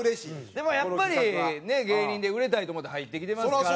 でもやっぱりね芸人で売れたいと思って入ってきてますから。